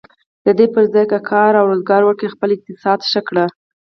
د دې پر ځای که کار و روزګار وکړي او خپل اقتصاد ښه کړي.